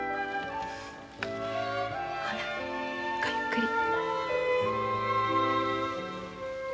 ほなごゆっくり。